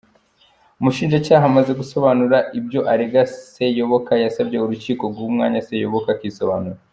Umushinjacyaha amaze gusobanura ibyo arega Seyoboka, yasabye urukiko guha umwanya Seyoboka akisobanura.